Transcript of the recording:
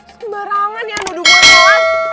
sembarangan ya nuduguan luas